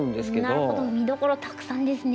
なるほど見どころたくさんですね。